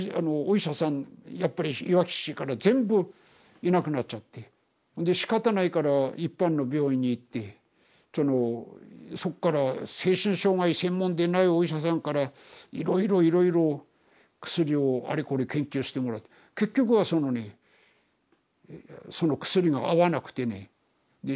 やっぱりいわき市から全部いなくなっちゃってでしかたないから一般の病院に行ってそのそっから精神障害専門でないお医者さんからいろいろいろいろ薬をあれこれ研究してもらって結局はそのねその薬が合わなくてねで死んでしまうんですよ。